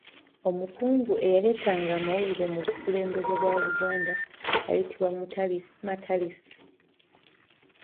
Omukungu eyaleetanga amawulire mu bukulembeze bwa Buganda ayitibwa Matalisi.